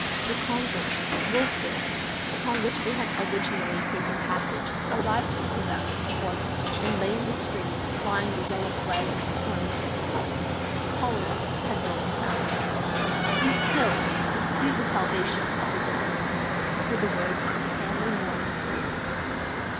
The consort, 'Wolfville', upon which they had originally taken passage, arrived in Quebec before them, and lay in the stream, flying the yellow flag of quarantine. Cholera had broken out. "Be still, and see the salvation of the Lord," were the words of the family morning prayers.